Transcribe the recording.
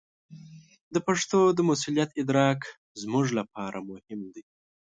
د پښتو د مسوولیت ادراک زموږ لپاره مهم دی.